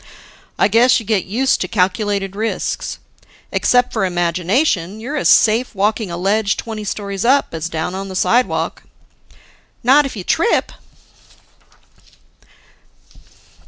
"I guess you get used to calculated risks. Except for imagination, you're as safe walking a ledge twenty stories up, as down on the sidewalk." "Not if you trip."